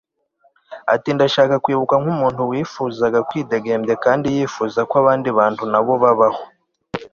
ati ndashaka kwibukwa nk'umuntu wifuzaga kwidegembya kandi yifuza ko abandi bantu na bo babaho